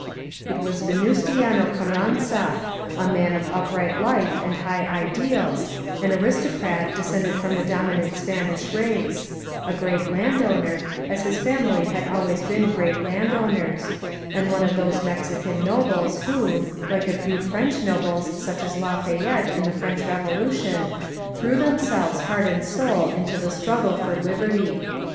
It was Venustiano Carranza, a man of upright life and high ideals ; an aristocrat, descended from the dom inant Spanish race'; a great land owner, as his family had always been great land owners; and one of those Mexican nobles who, like a few French nobles such as Lafayette in the French Revolution, threw themselves heart and soul into the struggle for liberty.